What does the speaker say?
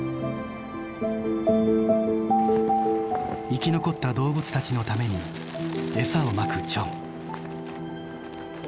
生き残った動物たちのために餌をまくジョン。